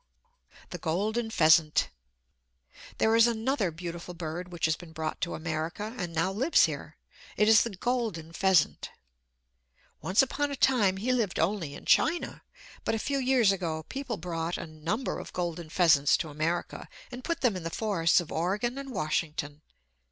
The Golden Pheasant There is another beautiful bird which has been brought to America, and now lives here; it is the golden pheasant. Once upon a time he lived only in China; but a few years ago people brought a number of golden pheasants to America, and put them in the forests of Oregon and Washington.